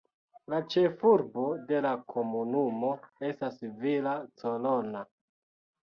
La ĉefurbo de la komunumo estas Villa Corona.